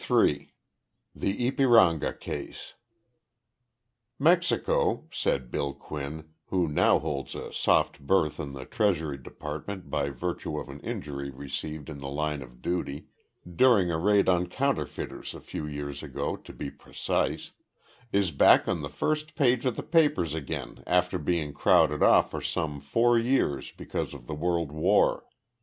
III THE YPIRANGA CASE "Mexico," said Bill Quinn, who now holds a soft berth in the Treasury Department by virtue of an injury received in the line of duty during a raid on counterfeiters a few years ago, to be precise "is back on the first page of the papers again after being crowded off for some four years because of the World War.